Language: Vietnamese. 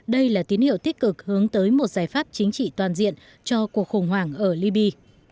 điều thích cực hướng tới một giải pháp chính trị toàn diện cho cuộc khủng hoảng ở libby